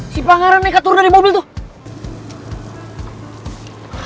si pangaran nih katur dari mobil tuh